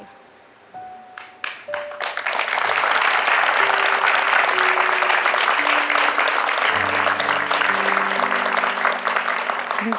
ทำให้เขาสู้ได้ทุกวันนี้